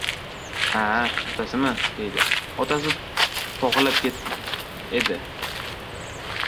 — Ha-a, otasimi? — deydi. — Otasi tog‘lab ketib edi.